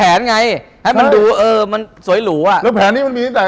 เอาถูกไหม